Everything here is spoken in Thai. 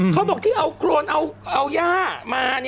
เขาบอกที่เอาโครนเอาย่ามา